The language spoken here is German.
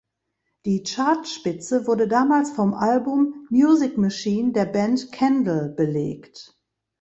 Die Chartspitze wurde damals vom Album "Music Machine" der Band Candle belegt.